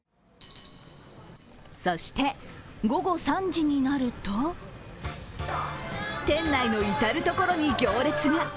そして午後３時になると店内の至る所に行列が。